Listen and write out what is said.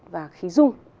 và khí dung